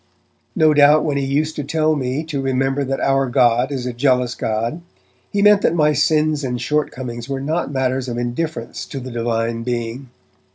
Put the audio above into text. No doubt when he used to tell me to remember that our God is a jealous God, he meant that my sins and shortcomings were not matters of indifference to the Divine Being.